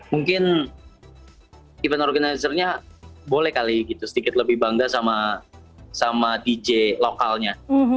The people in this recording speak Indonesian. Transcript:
mungkin event organizernya boleh kali gitu sedikit lebih bangga sama dj lokalnya